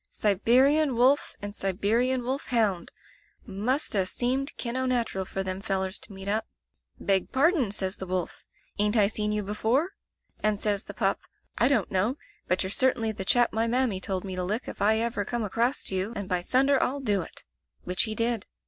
'Siberian wolf and Sibe rian wolf hound! Must 'a seemed kin' o' natural for them fellers to meet up. "Beg pardon," says the wolf, "ain't I seen you be fore?" — and says the pup, "I don't know, but you're certainly the chap my mammy told me to lick if ever I come acrost you, and, by thunder, I'll do it!" Which he did.